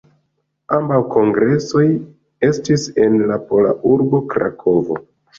Ambaŭ kongresoj estis en la pola urbo Krakovo.